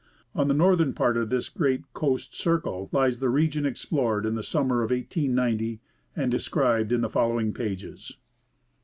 On the northern part of this great coast circle lies the region explored in the summer of 1890 and described in the following pages.